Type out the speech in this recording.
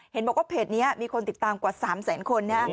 เห็นบอกว่าเพจนี้มีคนติดตามกว่า๓แสนคนนะ